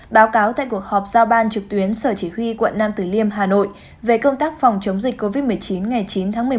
báo cáo tại cuộc họp giao ban trực tuyến sở chỉ huy quận nam tử liêm hà nội về công tác phòng chống dịch covid một mươi chín ngày chín tháng một mươi một